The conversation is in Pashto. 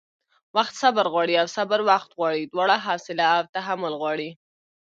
وخت صبر غواړي او صبر وخت غواړي؛ دواړه حوصله او تحمل غواړي